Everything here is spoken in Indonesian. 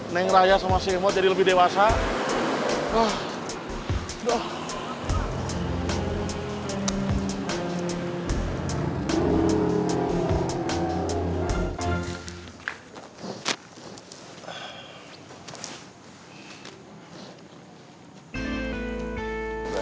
neng raya sama si kemot jadi lebih dewasa